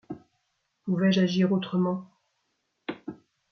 Pouvais-je agir autrement ?